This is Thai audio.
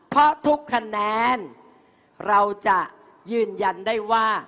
เพราะทุกคะแนนเราจะยืนยันได้ว่า